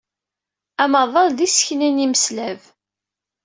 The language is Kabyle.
Amaḍal d isekni n yimeslab.